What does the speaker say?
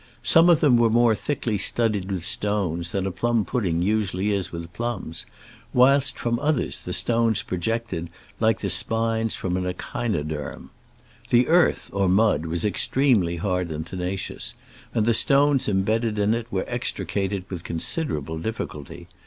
Some of them were more thickly studded with stones than a plum pudding usually is with plums, whilst from others the stones projected like the spines from an echinoderm. The earth (or mud) was extremely hard and tenacious, and the stones embedded in it were extricated with considerable dif ficulty.